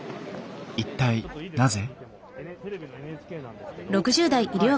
一体なぜ？